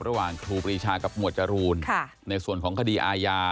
ระหว่างถูปรีชากับมวลจรูนค่ะในส่วนของคดีอายา